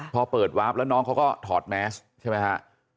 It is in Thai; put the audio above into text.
พอเปิดวาร์ฟแล้วน้องเขาก็ถอดแมสใช่ไหมฮะ